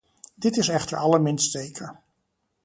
Dit is echter allerminst zeker.